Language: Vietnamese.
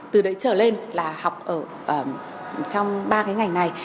từ đấy trở lên là học ở trong ba cái ngành này